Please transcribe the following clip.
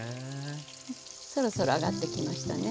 そろそろ揚がってきましたね。